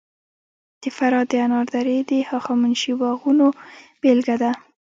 د فراه د انار درې د هخامنشي باغونو بېلګه ده